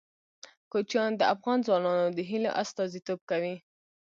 کوچیان د افغان ځوانانو د هیلو استازیتوب کوي.